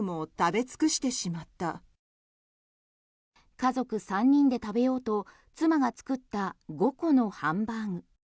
家族３人で食べようと妻が作った５個のハンバーグ。